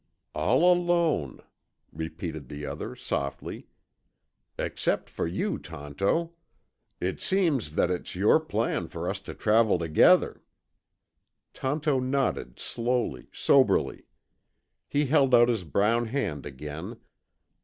"All alone," repeated the other softly. "Except for you, Tonto. It seems that it's your plan for us to travel together." Tonto nodded slowly, soberly. He held out his brown hand again.